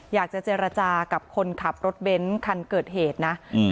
อยากจะเจรจากับคนขับรถเบนท์คันเกิดเหตุนะ